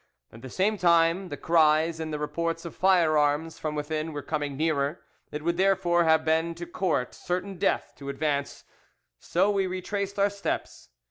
At the same time, the cries and the reports of firearms from within were coming nearer; it would therefore have been to court certain death to advance, so we retraced our steps.